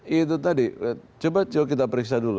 itu tadi coba coba kita periksa dulu